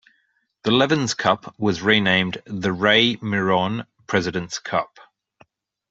The Levins Cup was renamed the Ray Miron President's Cup.